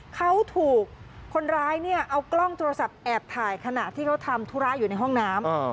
เขาถูกคนร้ายเนี่ยเอากล้องโทรศัพท์แอบถ่ายขณะที่เขาทำธุระอยู่ในห้องน้ำ